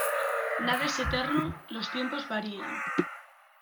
Nada es eterno los tiempos varían.